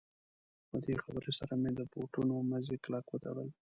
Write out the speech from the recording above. له دې خبرې سره مې د بوټونو مزي کلک وتړل.